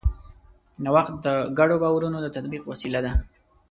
نوښت د ګډو باورونو د تطبیق وسیله ده.